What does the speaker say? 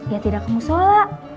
ya tidak kamu sholat